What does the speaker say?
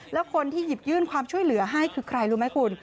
แล้วคนที่หยิบยื่นความช่วยเหลือให้คือใครรู้ไหมคุณ